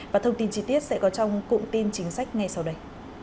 và thông tin chi tiết sẽ có trong cụm tin chính sách ngay sau đây